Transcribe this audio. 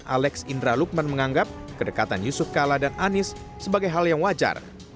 alex indra lukman menganggap kedekatan yusuf kala dan anies sebagai hal yang wajar